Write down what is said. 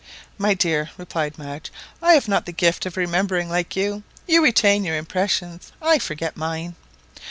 My dear," replied Madge, "I have not the gift of remembering like you. You retain your impressions, I forget mine."